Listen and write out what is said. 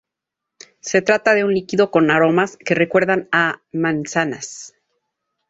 Se trata de un líquido con aromas que recuerdan a manzanas.